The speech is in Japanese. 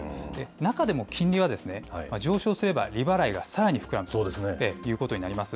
中でも金利は上昇すれば利払いがさらに膨らむということになります。